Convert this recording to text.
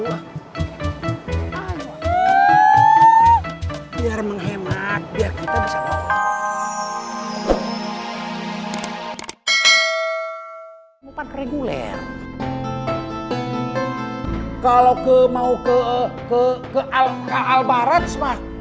biar menghemat biar kita bisa bawa